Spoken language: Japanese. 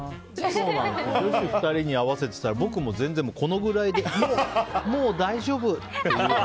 女子２人に合わせてたら僕も全然このくらいでもう大丈夫っていうくらい。